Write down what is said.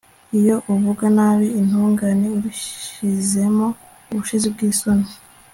iyo ivuga nabi intungane ibishyizemo ubushizi bw'isoni